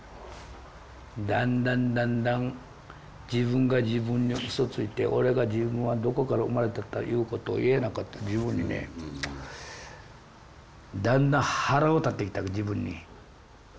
だんだんだんだん自分が自分にうそついて俺が自分はどこから生まれたったいうことを言えなかった自分にねだんだん腹を立ってきた自分に。